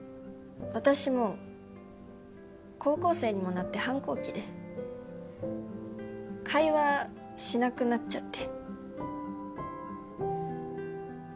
私も高校生にもなって反抗期で会話しなくなっちゃって。